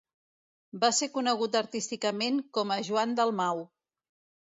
Va ser conegut artísticament com a Joan Dalmau.